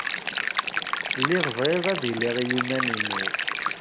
Lliɣ bɣiɣ ad iliɣ i yiman-inu.